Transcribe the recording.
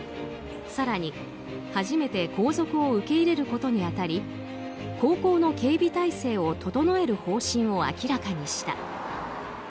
更に、初めて皇族を受け入れることに当たり高校の警備体制を整える方針を明らかにした。